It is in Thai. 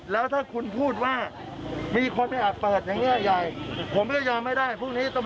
แล้วมันเหมือนก็เครื่องแตกเลยนะ